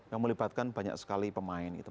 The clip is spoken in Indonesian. yang melibatkan banyak sekali pemain